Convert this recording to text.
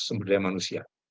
sumber daya manusia